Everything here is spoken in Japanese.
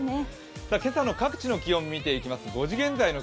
今朝の各地の気温見ていきます。